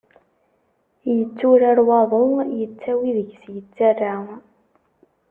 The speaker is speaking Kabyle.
Yetturar waḍu yettawi deg-s yettara.